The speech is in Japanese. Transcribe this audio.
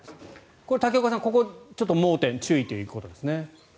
これは竹岡さん、ここは盲点注意ということですね。